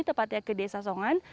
tepatnya ke desa songan